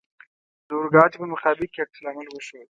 د اورګاډي په مقابل کې عکس العمل وښود.